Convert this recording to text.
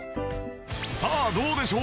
さあどうでしょう？